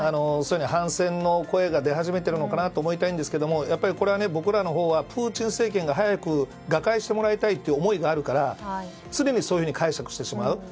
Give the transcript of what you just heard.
そういうふうに反戦の声が出始めているのかなと思いたいですがやっぱりこれは僕らのほうはプーチン政権が早く瓦解してもらいたいという思いがあるから常にそう解釈してしまう。